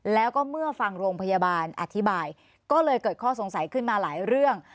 แล้วก็เมื่อฟังโรงพยาบาลอธิบายก็เลยเกิดข้อสงสัยขึ้นมาหลายเรื่อง